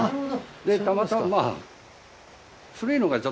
でたまたままぁ。